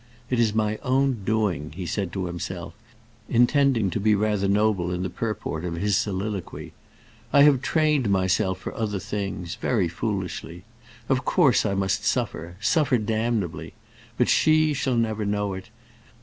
"It is my own doing," he said to himself, intending to be rather noble in the purport of his soliloquy, "I have trained myself for other things, very foolishly. Of course I must suffer, suffer damnably. But she shall never know it.